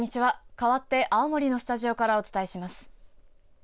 かわって青森のスタジオからお伝えします。